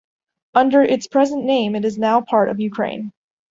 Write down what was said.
Under its present name it is now part of Ukraine.